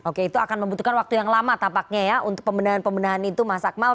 oke itu akan membutuhkan waktu yang lama tampaknya ya untuk pembenahan pembendahan itu mas akmal